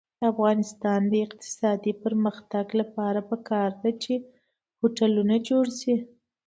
د افغانستان د اقتصادي پرمختګ لپاره پکار ده چې هوټلونه جوړ شي.